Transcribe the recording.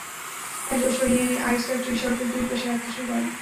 আসবাব সরিয়ে এনে আইস ফ্যাক্টরি সড়কের দুই পাশে রাখতে শুরু করেন।